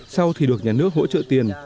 sau thì được nhà nước hỗ trợ tiền